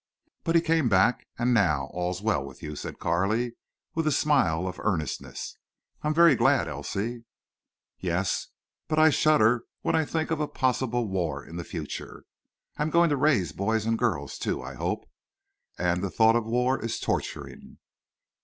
"But he came back, and now all's well with you," said Carley, with a smile of earnestness. "I'm very glad, Elsie." "Yes—but I shudder when I think of a possible war in the future. I'm going to raise boys, and girls, too, I hope—and the thought of war is torturing."